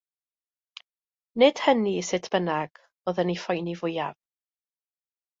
Nid hynny, sut bynnag, oedd yn ei phoeni fwyaf.